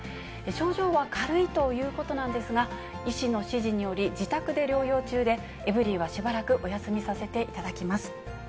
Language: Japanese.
症状は軽いということなんですが、医師の指示により、自宅で療養中で、エブリィはしばらくお休みさせていただきます。